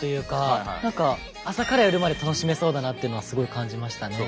何か朝から夜まで楽しめそうだなっていうのはすごい感じましたね。